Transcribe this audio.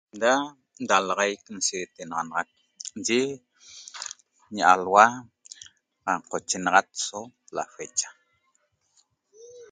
Da dalaxaic nshiitenaxanaxac yi ñi alhua qanqochenaxat so lafecha